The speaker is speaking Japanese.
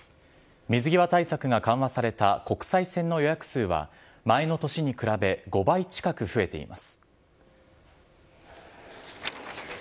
水際対策が緩和された国際線の予約数は前の年に比べ５倍近く増えています。